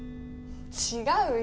違うよ。